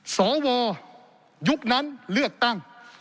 สวยยุคนั้นเลือกตั้ง